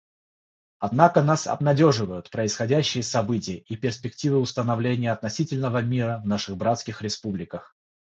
Однако нас обнадеживают происходящие события и перспективы установления относительного мира в наших братских республиках.